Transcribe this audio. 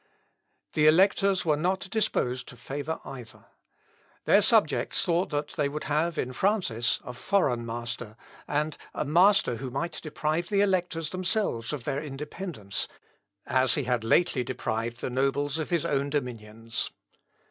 The electors were not disposed to favour either. Their subjects thought they would have in Francis a foreign master, and a master who might deprive the electors themselves of their independence, as he had lately deprived the nobles of his own dominions.